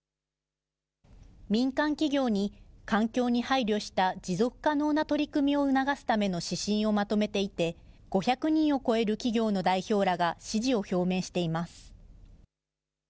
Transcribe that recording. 民間企業に、環境に配慮した持続可能な取り組みを促すための指針をまとめていて、５００人を超える企業の代表らが支持を表明しています。